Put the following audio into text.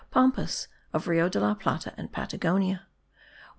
Pampas of Rio de la Plata and Patagonia : 135,200.